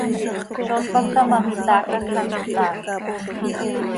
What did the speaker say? ¿Zó tpacta ma, mitaaca quij hanso taan?